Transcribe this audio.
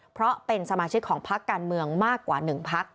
เพราะเป็นสมาชิกของพักการเมืองมากกว่า๑พัก